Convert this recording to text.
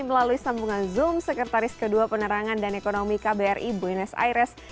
melalui sambungan zoom sekretaris kedua penerangan dan ekonomi kbri buenos aires